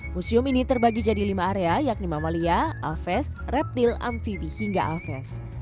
museum ini terbagi jadi lima area yakni mamalia alves reptil amfibi hingga alves